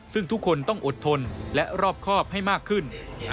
ซึ่งทุกคนต้องอดทนและรอบครอบให้มากขึ้น